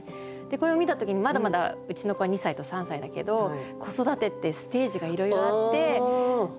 これを見た時にまだまだうちの子は２歳と３歳だけど子育てってステージがいろいろあってまた新たなステージ